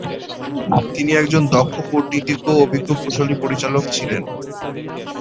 তিনি একজন দক্ষ কূটনীতিজ্ঞ ও অভিজ্ঞ কুশলী পরিচালক ছিলেন।